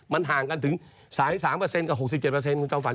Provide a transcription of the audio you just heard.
มันห่างกันถึง๓๓กับ๖๗คุณจอมฝัน